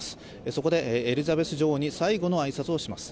そこでエリザベス女王に最後の挨拶をします。